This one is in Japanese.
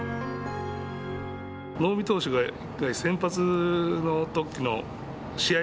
能見投手が先発のときの試合